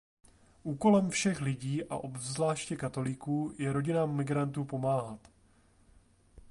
Úkolem všech lidí a obzvláště katolíků je rodinám migrantů pomáhat.